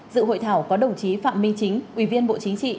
dự hội thảo có đồng chí phạm minh chính ubnd bộ chính trị